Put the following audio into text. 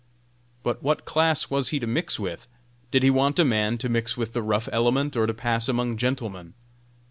But what class was he to mix with? Did he want a man to mix with the rough element, or to pass among gentlemen?